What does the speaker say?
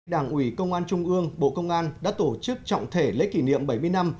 đảng ủy công an trung ương bộ công an đã tổ chức trọng thể lễ kỷ niệm bảy mươi năm